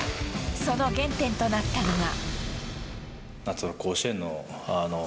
その原点となったのが。